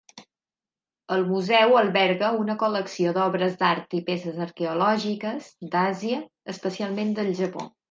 El museu alberga una col·lecció d'obres d'art i peces arqueològiques d'Àsia, especialment del Japó.